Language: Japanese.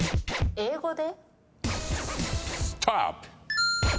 英語で？